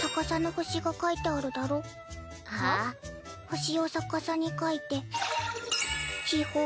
星を逆さに描いて「しほ」。